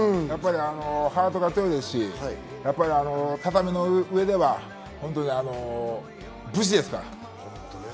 ハートが強いですし、畳の上では武士ですから。